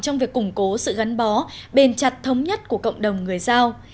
trong việc củng cố sự gắn bó bền chặt thống nhất của cộng đồng người giao